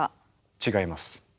違います。